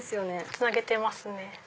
つなげてますね。